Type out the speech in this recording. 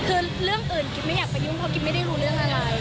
คือเรื่องอื่นกิ๊บไม่อยากไปยุ่งเพราะกิ๊บไม่ได้รู้เรื่องอะไร